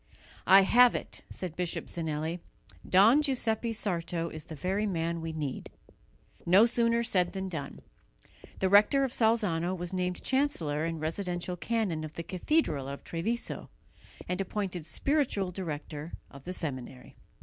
"I have it!" said Bishop Zinelli, "Don Giuseppe Sarto is the very man we need." No sooner said than done. The rector of Salzano was named chancellor and residential canon of the cathedral of Treviso, and appointed spiritual director of the seminary.